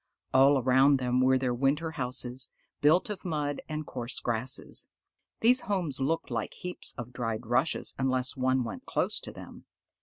All around them were their winter houses, built of mud and coarse grasses. These homes looked like heaps of dried rushes, unless one went close to them.